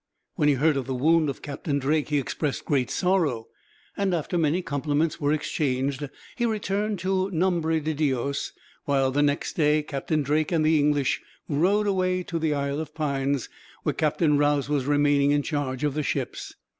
When he heard of the wound of Captain Drake he expressed great sorrow; and, after many compliments were exchanged, he returned to Nombre de Dios; while, the next day, Captain Drake and the English rowed away to the Isle of Pines, where Captain Rause was remaining in charge of the ships.